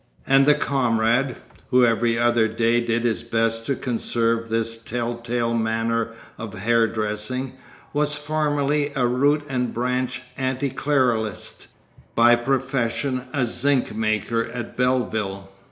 And the comrade, who every other day did his best to conserve this tell tale manner of hairdressing, was formerly a root and branch anticlericalist, by profession a zinc maker at Belleville.